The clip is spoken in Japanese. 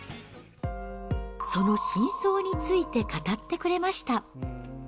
その真相について語ってくれました。